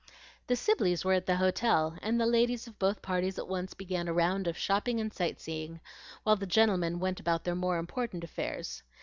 The Sibleys were at the hotel; and the ladies of both parties at once began a round of shopping and sightseeing, while the gentlemen went about their more important affairs.